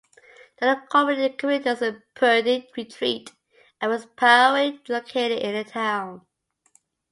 The unincorporated communities of Purdy, Retreat, and West Prairie are located in the town.